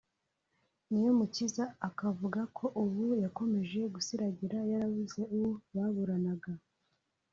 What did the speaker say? Niyomukiza akavuga ko ubu yakomeje gusiragira yarabuze uwo baburanaga